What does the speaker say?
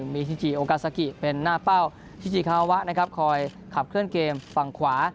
มีฮิจิโอกาซากิเป็นหน้าเป้าชิจิคาวะนะครับคอยขับเคลื่อนเกมฝั่งขวา